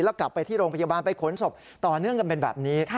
แล้วกลับไปที่โรงพยาบาลไปขนศพต่อเนื่องกันเป็นแบบนี้